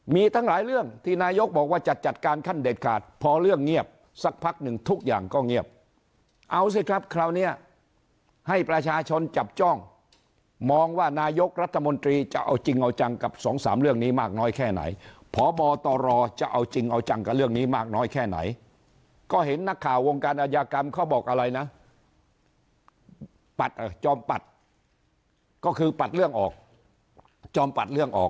มีทั้งหลายเรื่องที่นายกบอกว่าจะจัดการขั้นเด็ดขาดพอเรื่องเงียบสักพักหนึ่งทุกอย่างก็เงียบเอาสิครับคราวนี้ให้ประชาชนจับจ้องมองว่านายกรัฐมนตรีจะเอาจริงเอาจังกับสองสามเรื่องนี้มากน้อยแค่ไหนพบตรจะเอาจริงเอาจังกับเรื่องนี้มากน้อยแค่ไหนก็เห็นนักข่าววงการอายากรรมเขาบอกอะไรนะจอมปัดก็คือปัดเรื่องออกจอมปัดเรื่องออก